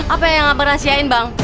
apa yang rahasiain bang